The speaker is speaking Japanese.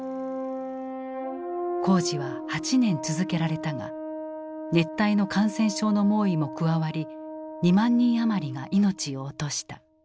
工事は８年続けられたが熱帯の感染症の猛威も加わり２万人余りが命を落とした。